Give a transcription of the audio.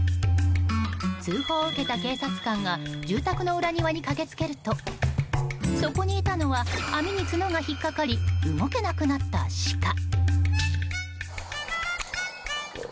通報を受けた警察官が住宅の裏庭に駆け付けるとそこにいたのは網に角が引っ掛かり動けなくなったシカ。